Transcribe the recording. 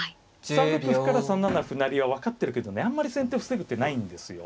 ３六歩から３七歩成は分かってるけどねあんまり先手防ぐ手ないんですよ。